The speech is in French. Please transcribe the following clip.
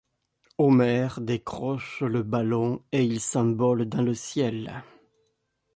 Homer décroche le ballon et ils s'envolent dans le ciel.